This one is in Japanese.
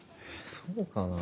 そうかな？